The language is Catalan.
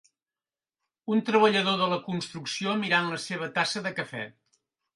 Un treballador de la construcció mirant la seva tassa de cafè.